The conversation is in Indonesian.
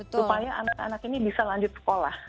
supaya anak anak ini bisa lanjut sekolah